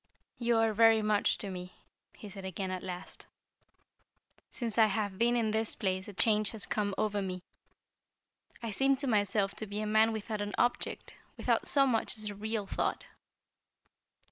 "You are very much to me," he said again, at last. "Since I have been in this place a change has come over me. I seem to myself to be a man without an object, without so much as a real thought.